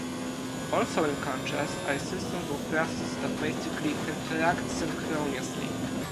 Also in contrast are systems with processes that basically "interact synchronously".